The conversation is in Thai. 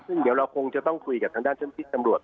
ซึ่งเดี๋ยวเราคงจะต้องคุยกับทางด้านเช่นพิษสำรวจ